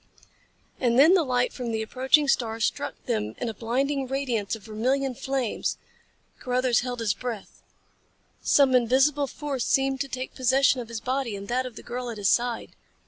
And then the light from the approaching star struck them in a blinding radiance of vermilion flames. Carruthers held his breath. Some invisible force seemed to take possession of his body and that of the girl at his side.